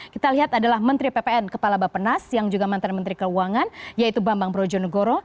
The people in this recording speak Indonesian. kita lihat adalah menteri ppn kepala bapenas yang juga mantan menteri keuangan yaitu bambang brojonegoro